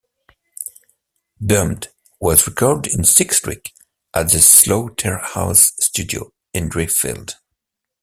"Bummed" was recorded in six weeks at the Slaughterhouse studio in Driffield.